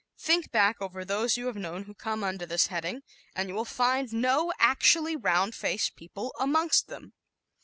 Think back over those you have known who come under this heading and you will find no actually round faced people amongst them.